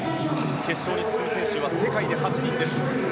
決勝に進む選手は世界で８人です。